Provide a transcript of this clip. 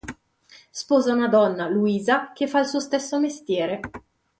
Sposa una donna, Luisa, che fa il suo stesso mestiere.